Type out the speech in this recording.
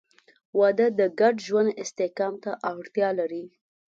• واده د ګډ ژوند استحکام ته اړتیا لري.